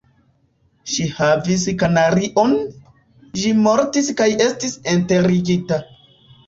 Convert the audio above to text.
Ŝi havis kanarion; ĝi mortis kaj estis enterigita.